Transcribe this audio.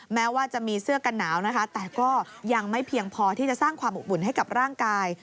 แม้ว่าจะมีเสื้อกันหนาวนะคะแต่ก็ยังไม่เพียงพอที่จะสร้างความอบอุ่นให้กับร่างกาย